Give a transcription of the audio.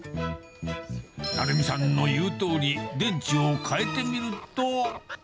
成美さんの言うとおり、電池を替えてみると。